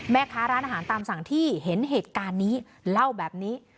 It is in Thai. แม่ค้าร้านอาหารตามสั่งที่เห็นเหตุการณ์นี้เล่าแบบนี้